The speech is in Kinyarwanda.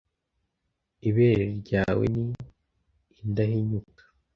ibere ryawe ni indahinyuka